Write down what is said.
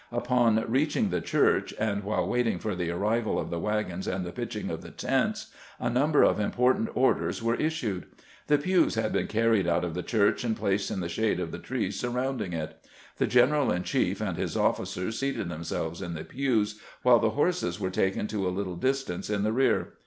Upon reaching the church, and while waiting for the arrival of the wagons and the pitching of the tents, a number of important orders were issued. The pews had been carried out of the church and placed in the shade of the trees surrounding it. The general in chief and his officers seated them selves in the pews, while the horses were taken to a lit tle distance in the rear.